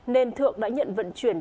nên thượng đã nhận vận chuyển